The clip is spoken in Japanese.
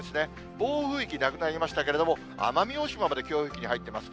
暴風域なくなりましたけど、奄美大島まで強風域に入ってます。